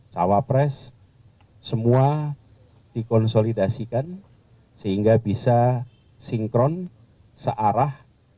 cawapres semua dikonsolidasikan sehingga bisa sinkron searah